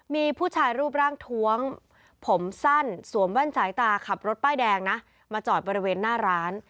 มีผู้ชายรูปร่างท้วงผมสั้นสวมแว่นสายตาขับรถป้ายแดงนะมาจอดบริเวณหน้าร้าน